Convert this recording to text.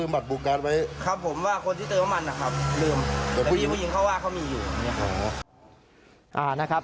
เพราะจริงเขาว่าเขามีอยู่